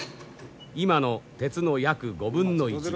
今の鉄の約５分の１。